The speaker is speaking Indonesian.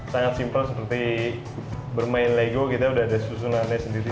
sangat simpel seperti bermain lego kita udah ada susunannya sendiri